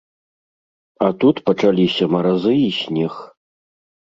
А тут пачаліся маразы і снег.